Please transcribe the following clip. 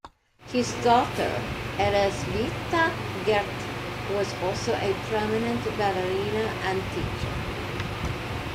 His daughter Elisaveta Gerdt was also a prominent ballerina and teacher.